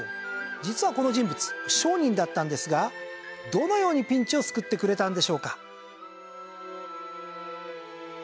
実はこの人物商人だったんですがどのようにピンチを救ってくれたんでしょうか？